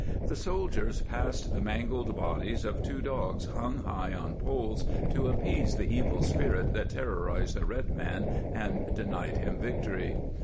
* The soldiers passed the mangled bodies of two dogs, hung high on poles to appease the evil spirit that terrorized the red man and denied him vic tory.